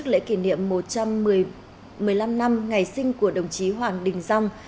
tổ chức lễ kỷ niệm một trăm một mươi năm năm ngày sinh của đồng chí hoàng đình dông